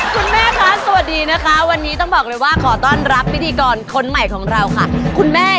คุณแม่คะสวัสดีนะคะวันนี้ต้องบอกเลยว่าขอต้อนรับพิธีกรคนใหม่ของเราค่ะคุณแม่